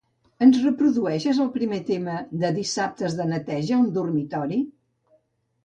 Ens reprodueixes el primer tema de "dissabte de neteja" al dormitori?